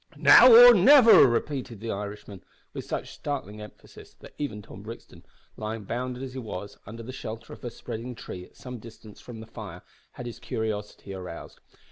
"`Now or niver!'" repeated the Irishman, with such startling emphasis that even Tom Brixton, lying bound as he was under the shelter of a spreading tree at some distance from the fire, had his curiosity aroused.